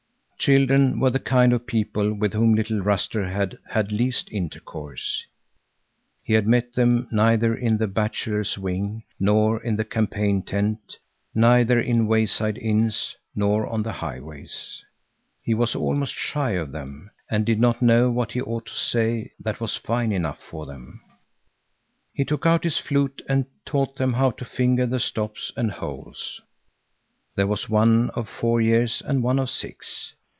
Children were the kind of people with whom little Ruster had had least intercourse. He had met them neither in the bachelor's wing nor in the campaign tent, neither in wayside inns nor on the highways. He was almost shy of them, and did not know what he ought to say that was fine enough for them. He took out his flute and taught them how to finger the stops and holes. There was one of four years and one of six.